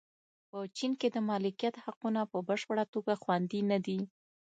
په چین کې د مالکیت حقونه په بشپړه توګه خوندي نه دي.